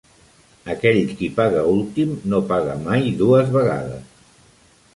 Aquell qui paga últim no paga mai dues vegades.